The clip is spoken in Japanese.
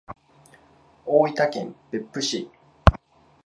大分県別府市